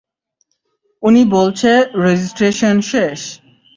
উনি বলছে রেজিস্ট্রেশন শেষ।